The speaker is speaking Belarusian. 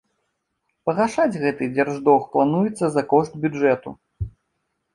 Пагашаць гэты дзярждоўг плануецца за кошт бюджэту.